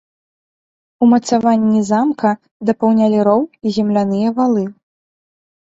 Умацаванні замка дапаўнялі роў і земляныя валы.